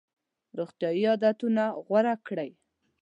روغتیایي عادتونه غوره کړئ.